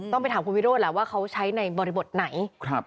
ไปถามคุณวิโรธแหละว่าเขาใช้ในบริบทไหน